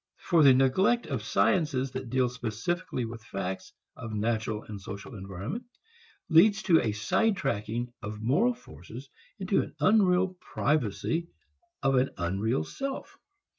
For the neglect of sciences that deal specifically with facts of the natural and social environment leads to a side tracking of moral forces into an unreal privacy of an unreal self.